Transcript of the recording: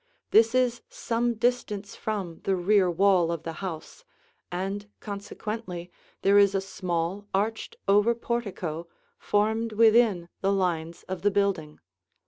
This is some distance from the rear wall of the house, and consequently there is a small, arched over portico formed within the lines of the building.